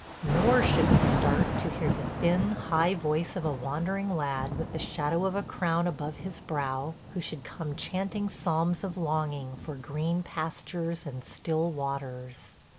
... Nor should we start to hear the thin, high voice of a wandering lad with the shadow of a crown above his brow, who should come chanting psalms of longing for green pastures and still waters.